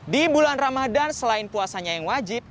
di bulan ramadan selain puasanya yang wajib